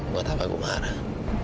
buat apa gue marah